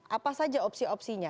apa saja opsi opsinya